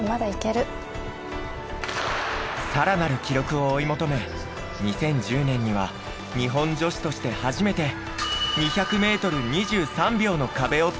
さらなる記録を追い求め２０１０年には日本女子として初めて２００メートル２３秒の壁を突破。